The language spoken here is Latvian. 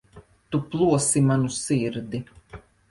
Tu plosi manu sirdi.